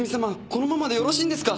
このままでよろしいんですか？